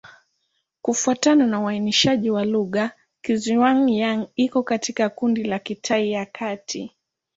Kufuatana na uainishaji wa lugha, Kizhuang-Yang iko katika kundi la Kitai ya Kati.